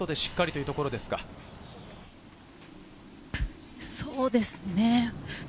そうですね。